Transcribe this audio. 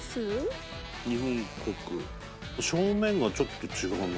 正面がちょっと違うな。